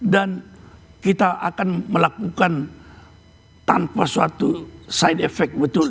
dan kita akan melakukan tanpa suatu side effect betul